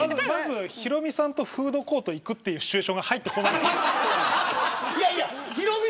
まずヒロミさんとフードコート行くっていうシチュエーションが入ってこない。